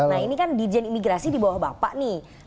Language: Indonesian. nah ini kan dirjen imigrasi di bawah bapak nih